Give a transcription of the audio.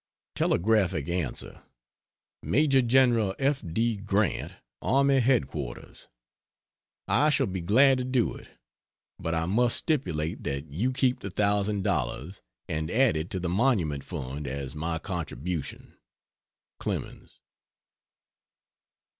Telegraphic Answer: MAJOR GENERAL F. D. GRANT, Army Headquarters, I shall be glad to do it, but I must stipulate that you keep the thousand dollars and add it to the Monument fund as my contribution. CLEMENS.